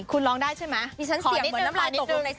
คุณร้องได้ใช่มั้ย